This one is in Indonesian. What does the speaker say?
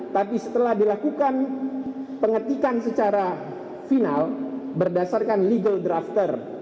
tapi setelah dilakukan pengetikan secara final berdasarkan legal drafter